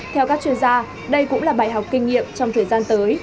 theo các chuyên gia đây cũng là bài học kinh nghiệm trong thời gian tới